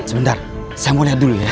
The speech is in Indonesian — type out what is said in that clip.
sebentar saya mau lihat dulu ya